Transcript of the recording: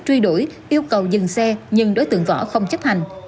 truy đuổi yêu cầu dừng xe nhưng đối tượng võ không chấp hành